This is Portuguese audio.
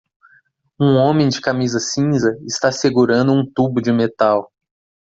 Um homem de camisa cinza está segurando um tubo de metal.